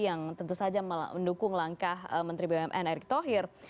yang mendukung langkah menteri bumn erick thohir